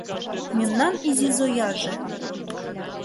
Мемнан изи Зояже